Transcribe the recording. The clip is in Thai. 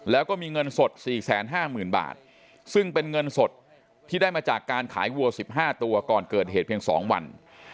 แล้วก็มีเงินสด๔๕๐๐๐บาทซึ่งเป็นเงินสดที่ได้มาจากการขายวัว๑๕ตัวก่อนเกิดเหตุเพียง๒วัน